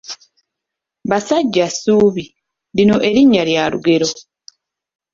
Basajjassubi; lino erinnya lya lugero.